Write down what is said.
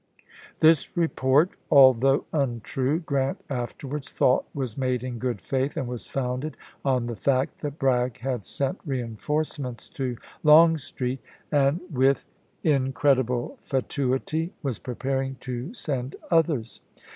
This report, although untrue, Grant afterwards thought was made in good faith, and was founded on the fact that Bragg had sent reenforcements to Longstreet, and, with in CHATTANOOGA 135 credible fatuity, was preparing to send others, chap.